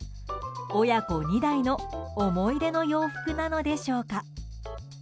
親子２代の思い出の洋服なのでしょうか？